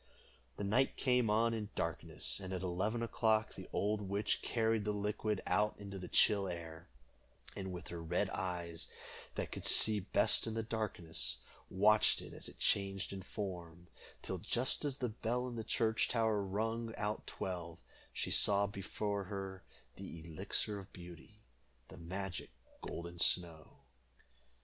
The night came on in darkness, and at eleven o'clock the old witch carried the liquid out in the chill air, and with her red eyes, that could see best in the darkness, watched it as it changed in form, till, just as the bell in the church tower rung out twelve, she saw before her the Elixir of Beauty, the magic golden snow.